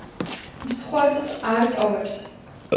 მსხვერპლს არ ტოვებს.